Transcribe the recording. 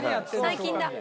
最近だ。